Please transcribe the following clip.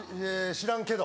知らんけど。